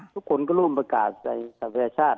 ทุกคนก็ร่วมประกาศในศัพยาชาติ